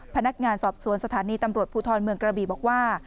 พนักงานสอบสวนสถานีตำรวจภูทรเมืองกระบีบอกว่า